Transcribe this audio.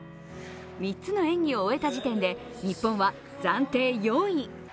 ３つの演技を終えた時点で、日本は暫定４位。